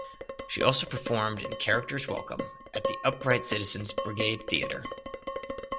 She also performed in "Characters Welcome" at the Upright Citizens Brigade Theatre.